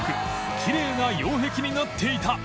きれいな擁壁になっていた磴